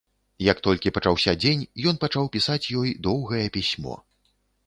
Як толькі пачаўся дзень, ён пачаў пісаць ёй доўгае пісьмо.